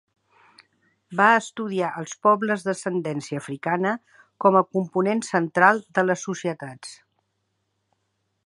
Va estudiar els pobles d'ascendència africana com a component central de les societats.